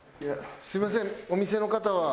すいませんお店の方は？